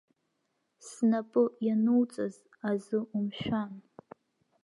Снапы иануҵаз азы умшәан!